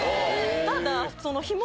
ただ。